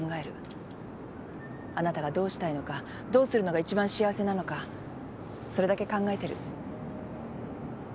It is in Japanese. あなたがどうしたいのかどうするのがいちばん幸せなのかそれだけ考えてる。